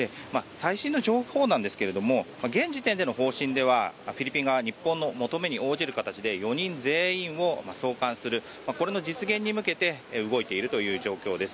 最新の情報なんですが現時点での方針ではフィリピン側日本に求めに応じる形で４人全員を送還するこれの実現に向けて動いているという状況です。